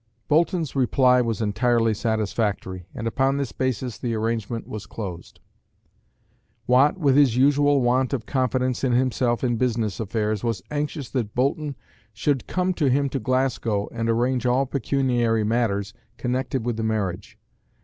Boulton's reply was entirely satisfactory, and upon this basis the arrangement was closed. Watt, with his usual want of confidence in himself in business affairs, was anxious that Boulton should come to him at Glasgow and arrange all pecuniary matters connected with the marriage.